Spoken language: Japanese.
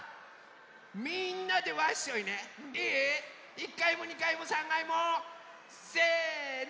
１かいも２かいも３がいも。せの！